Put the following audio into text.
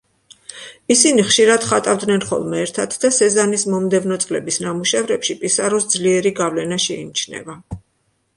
ისინი ხშირად ხატავდნენ ხოლმე ერთად და სეზანის მომდევნო წლების ნამუშევრებში პისაროს ძლიერი გავლენა შეიმჩნევა.